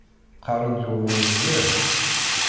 Qqaren-d yuḍen mliḥ.